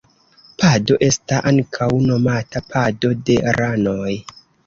Pado esta ankaŭ nomata pado de ranoj.